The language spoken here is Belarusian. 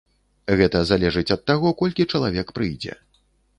Гэта залежыць ад таго, колькі чалавек прыйдзе.